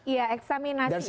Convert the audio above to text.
iya eksaminasi itu